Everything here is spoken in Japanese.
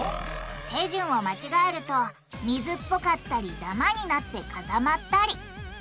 手順を間違えると水っぽかったりダマになって固まったり。